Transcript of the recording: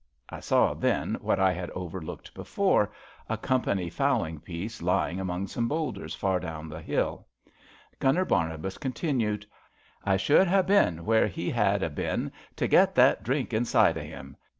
I saw then, what I had overlooked before, a Com 104 ABATT THE FXJNNJJL pany fowling piece lying among some boulders far down the hill. Gunner Barnabas continued: I should ha' seen where he had a bin to get that drink inside o' 'im.